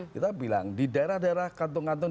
kita bilang di daerah daerah kantong kantong